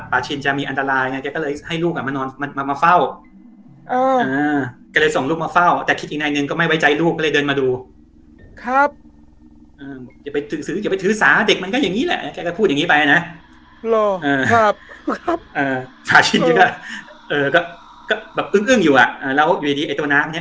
ปลาชินก็เออก็ก็แบบอึ้งอึ้งอยู่อ่ะอ่าแล้วอยู่ดีดีไอ้ตัวน้ำเนี้ย